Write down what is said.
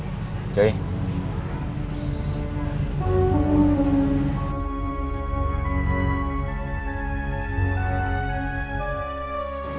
aku sudah berhenti